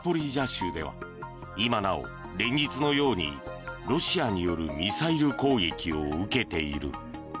州では今なお連日のようにロシアによるミサイル攻撃を受けている。